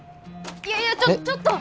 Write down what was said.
いやいやちょっと！